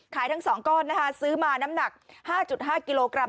ทั้ง๒ก้อนนะคะซื้อมาน้ำหนัก๕๕กิโลกรัม